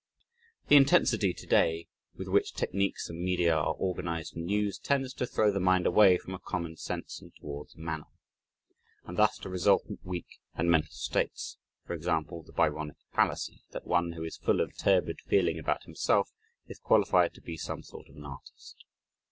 The intensity today, with which techniques and media are organized and used, tends to throw the mind away from a "common sense" and towards "manner" and thus to resultant weak and mental states for example, the Byronic fallacy that one who is full of turbid feeling about himself is qualified to be some sort of an artist.